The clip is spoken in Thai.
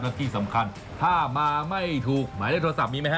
และที่สำคัญถ้ามาไม่ถูกหมายเลขโทรศัพท์มีไหมฮ